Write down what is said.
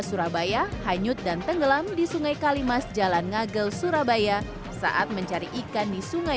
surabaya hanyut dan tenggelam di sungai kalimas jalan ngagel surabaya saat mencari ikan di sungai